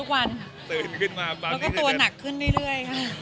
แล้วก็ตัวหนักขึ้นเรื่อยค่ะ